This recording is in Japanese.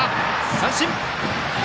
三振！